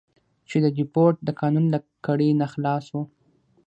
چې د دیپورت د قانون له کړۍ نه خلاص وو.